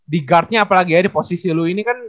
di guardnya apalagi ya di posisi lu ini kan